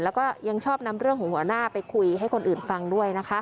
แล้วก็ยังชอบนำเรื่องของหัวหน้าไปคุยให้คนอื่นฟังด้วยนะคะ